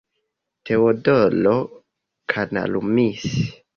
Teodoro kanalumis.